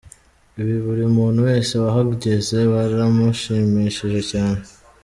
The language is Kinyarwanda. Ibi buri muntu wese wahageze byaramushimishije cyane.